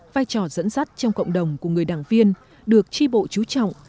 vai trò dẫn dắt trong cộng đồng của người đảng viên được tri bộ trú trọng